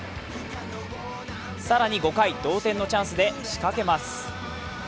更に５回、同点のチャンスで仕掛けます。